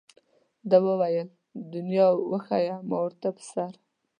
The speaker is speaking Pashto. ده وویل دنیا وښیه ما ورته په سر.